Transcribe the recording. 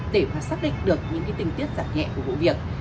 để mà xác định được những tình tiết giảm nhẹ của vụ việc